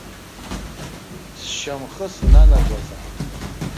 Сшьамхы снанагозаап.